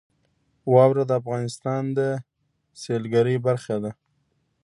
واوره د افغانستان د سیلګرۍ برخه ده.